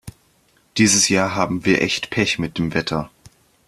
Dieses Jahr haben wir echt Pech mit dem Wetter.